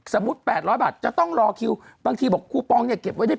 ๘๐๐บาทจะต้องรอคิวบางทีบอกคูปองเนี่ยเก็บไว้ได้